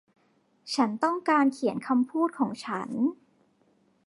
ฉันต้องการเขียนคำพูดของฉัน